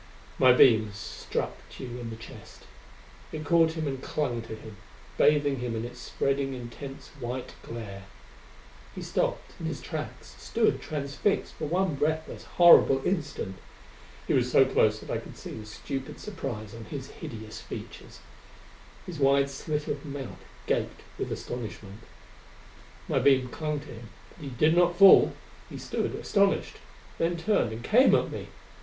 My beam struck Tugh in the chest. It caught him and clung to him, bathing him in its spreading, intense white glare. He stopped in his tracks; stood transfixed for one breathless, horrible instant! He was so close that I could see the stupid surprise on his hideous features. His wide slit of mouth gaped with astonishment. My beam clung to him, but he did not fall! He stood astonished; then turned and came at me!